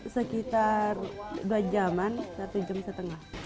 sekitar dua jaman satu jam setengah